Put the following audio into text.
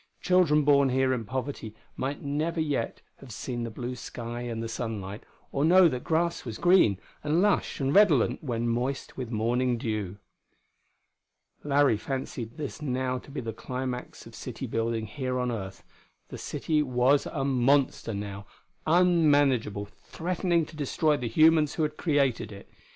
Children born here in poverty might never yet have seen the blue sky and the sunlight, or know that grass was green and lush and redolent when moist with morning dew.... Larry fancied this now to be the climax of city building here on earth; the city was a monster, now, unmanageable, threatening to destroy the humans who had created it....